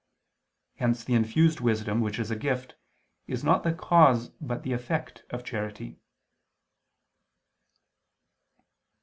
Hence, the infused wisdom which is a gift, is not the cause but the effect of charity.